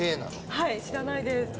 はい知らないです。